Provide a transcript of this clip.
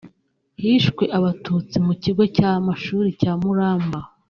Hishwe Abatutsi mu kigo cy’amashuri cya Muramba